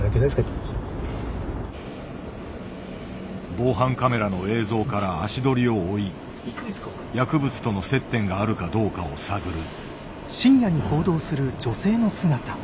防犯カメラの映像から足取りを追い薬物との接点があるかどうかを探る。